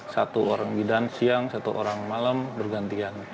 satu orang bidan siang satu orang malam bergantian